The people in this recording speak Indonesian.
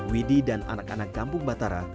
widhi dan anak anak kampung batara